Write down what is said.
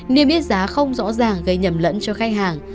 niềm biết giá không rõ ràng gây nhầm lẫn cho khách hàng